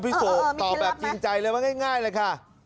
พี่สุตอบแบบจริงใจเลยว่าง่ายเลยค่ะ